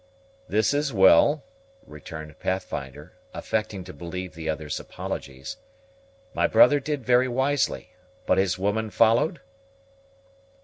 "This is well," returned Pathfinder, affecting to believe the other's apologies; "my brother did very wisely; but his woman followed?"